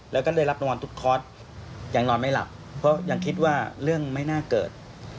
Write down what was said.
แล้วก็ได้รับรางวัลทุกคอร์สยังนอนไม่หลับเพราะยังคิดว่าเรื่องไม่น่าเกิด